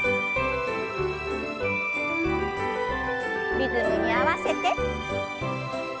リズムに合わせて。